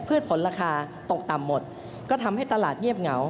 ผลราคาตกต่ำหมดก็ทำให้ตลาดเงียบเหงา